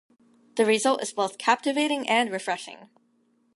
The result is both captivating and refreshing.